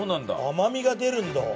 甘みが出るんだ。